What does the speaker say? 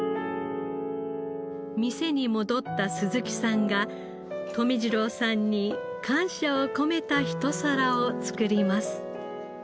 店に戻った鈴木さんが留次郎さんに感謝を込めたひと皿を作ります。